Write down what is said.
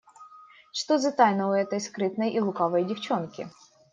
Что за тайна у этой скрытной и лукавой девчонки?